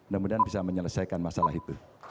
kemudian bisa menyelesaikan masalah itu